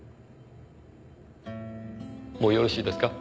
もうよろしいですか？